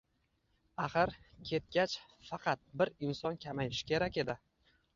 Axir ketgach faqat bir inson kamayishi kerak edi